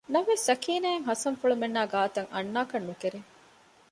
ނަމަވެސް ސަކީނާއަށް ހަސަންފުޅުމެންނާއި ގާތަށް އަންނާކަށް ނުކެރޭ